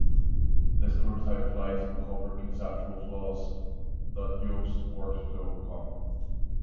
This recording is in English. This prototype flight uncovered conceptual flaws that Yost worked to overcome.